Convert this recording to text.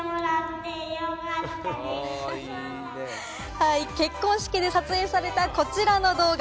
はい、結婚式で撮影されたこちらの動画。